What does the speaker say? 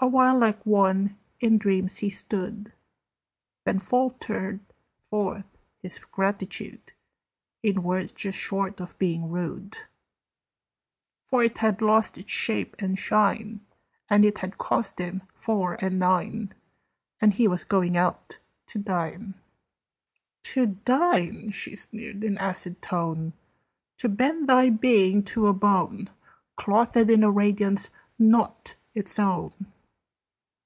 A while like one in dreams he stood, Then faltered forth his gratitude In words just short of being rude: For it had lost its shape and shine, And it had cost him four and nine, And he was going out to dine. [Illustration: "UNERRINGLY SHE PINNED IT DOWN."] "To dine!" she sneered in acid tone. "To bend thy being to a bone Clothed in a radiance not its own!"